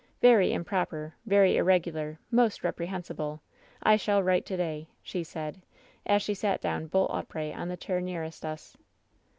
"^ Very improper, very irregular, most reprehensible I I shall write to day,' she said, as she sat down bolt upright on the chair nearest us.